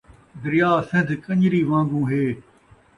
دریا سن٘دھ کن٘ڄری وان٘گوں ہے